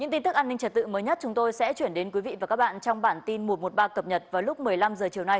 tin tức an ninh trật tự mới nhất chúng tôi sẽ chuyển đến quý vị và các bạn trong bản tin một trăm một mươi ba cập nhật vào lúc một mươi năm h chiều nay